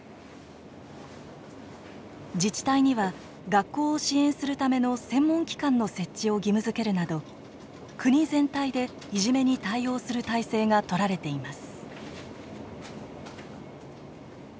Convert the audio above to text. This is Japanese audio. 自治体には学校を支援するための専門機関の設置を義務づけるなど国全体でいじめに対応する体制が取られています。